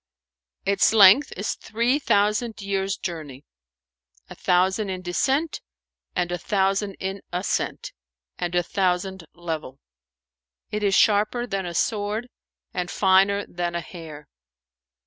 "Its length is three thousand years' journey, a thousand in descent and a thousand in ascent and a thousand level: it is sharper than a sword and finer than a hair."